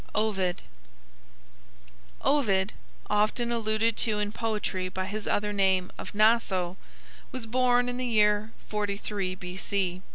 OVID Ovid, often alluded to in poetry by his other name of Naso, was born in the year 43 B.C.